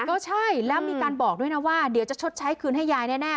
ก็ใช่แล้วมีการบอกด้วยนะว่าเดี๋ยวจะชดใช้คืนให้ยายแน่